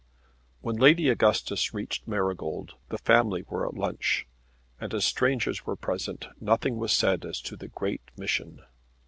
When Lady Augustus reached Marygold the family were at lunch, and as strangers were present nothing was said as to the great mission.